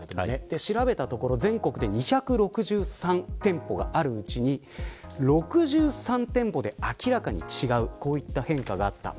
調べたところ、全国で２６３店舗があるうち６３店舗で明らかに違う変化がありました。